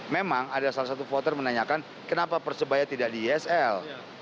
memang ada salah satu voter menanyakan kenapa persebaya tidak di isl